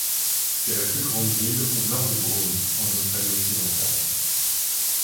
C'est la plus grande ville au nord de Broome en Australie-Occidentale.